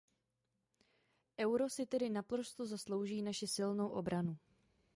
Euro si tedy naprosto zaslouží naši silnou obranu.